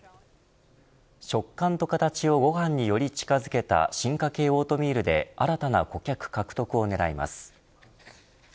食感と形をご飯により近づけた進化系オートミールで新たな顧客獲得を狙います。